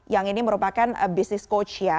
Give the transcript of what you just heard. yang ini merupakan bisnis coach ya